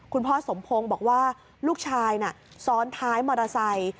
คุณพ่อสมพงศ์บอกว่าลูกชายน่ะซ้อนท้ายมอเตอร์ไซค์